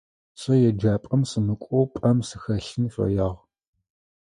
Сэ еджапӏэм сымыкӏоу пӏэм сыхэлъын фэягъ.